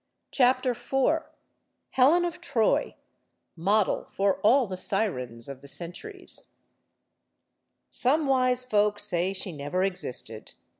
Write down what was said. CHAPTER FOUR HELEN OF TROY MODEL FOR ALL THE SIRENS OF THE CENTURIES SOME wise folk say she never existed.